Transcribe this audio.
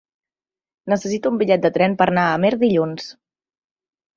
Necessito un bitllet de tren per anar a Amer dilluns.